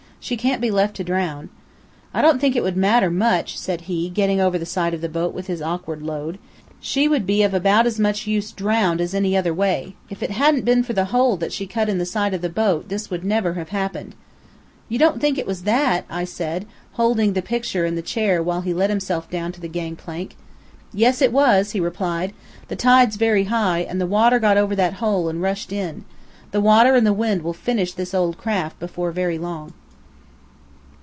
"She can't be left to drown." "I don't think it would matter much," said he, getting over the side of the boat with his awkward load. "She would be of about as much use drowned as any other way. If it hadn't been for that hole she cut in the side of the boat, this would never have happened." "You don't think it was that!" I said, holding the picture and the chair while he let himself down to the gang plank. "Yes, it was," he replied. "The tide's very high, and the water got over that hole and rushed in. The water and the wind will finish this old craft before very long."